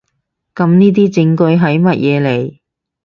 噉呢啲證據喺乜嘢嚟？